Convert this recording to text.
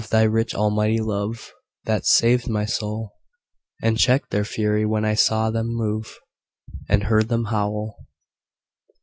Thy rich, almighty love, That sav'd my soul, And check'd their fury, when I saw them move, And heard them howl